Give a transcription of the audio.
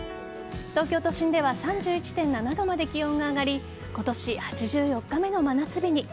東京都心では３１．７度まで気温が上がり今年８４日目の真夏日に。